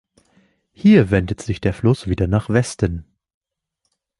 Hier wendet sich der Fluss wieder nach Westen.